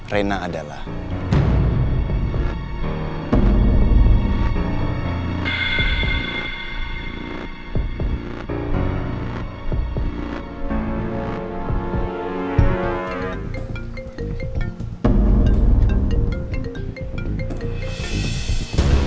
kita sudah berdua